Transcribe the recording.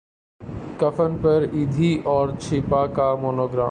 کفن پر ایدھی اور چھیپا کا مونو گرام